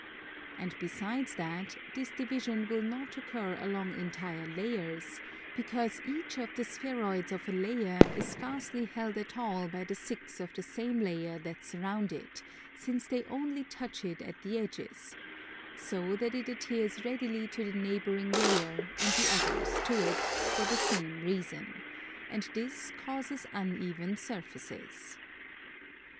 And besides that, this division will not occur along entire layers, because each of the spheroids of a layer is scarcely held at all by the 6 of the same layer that surround it, since they only touch it at the edges; so that it adheres readily to the neighbouring layer, and the others to it, for the same reason; and this causes uneven surfaces.